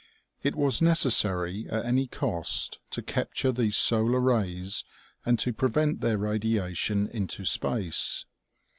It was necessary at any cost to capture these solar rays and to prevent their radiation into space.